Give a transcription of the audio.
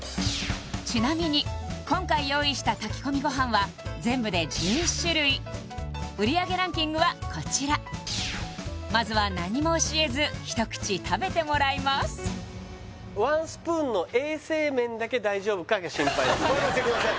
ちなみに今回用意した炊き込みごはんは全部で１１種類売り上げランキングはこちらまずは何も教えずひと口食べてもらいますだけ大丈夫かが心配ですね任せてください